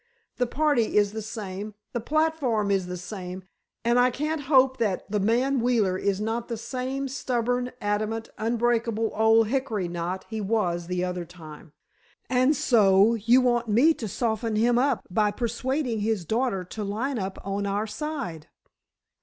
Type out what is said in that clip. The party is the same, the platform is the same, and I can't hope that the man Wheeler is not the same stubborn, adamant, unbreakable old hickory knot he was the other time." "And so, you want me to soften him by persuading his daughter to line up on our side?"